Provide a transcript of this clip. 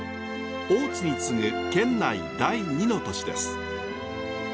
大津に次ぐ県内第２の都市です。